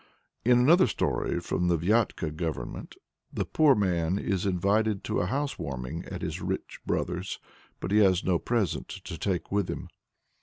In another story, from the Viatka Government, the poor man is invited to a house warming at his rich brother's, but he has no present to take with him.